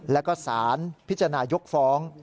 แล้วก็สารพิจารณายกฟ้อง